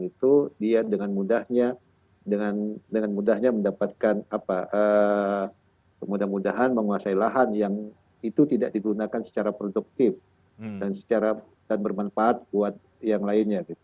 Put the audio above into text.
itu dia dengan mudahnya mendapatkan kemudahan menguasai lahan yang itu tidak digunakan secara produktif dan bermanfaat buat yang lainnya